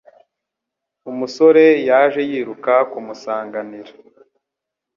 Umusore yaje yiruka kumusanganira.